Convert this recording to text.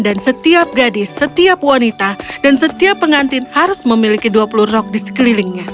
dan setiap gadis setiap wanita dan setiap pengantin harus memiliki dua puluh rok di sekelilingnya